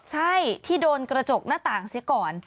ใช่ที่โดนกระจกหน้าต่างเสียก่อน